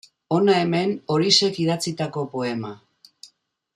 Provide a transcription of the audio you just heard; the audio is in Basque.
Hona hemen Orixek idatzitako poema.